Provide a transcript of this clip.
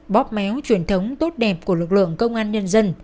bóp méo truyền thống tốt đẹp của lực lượng công an nhân dân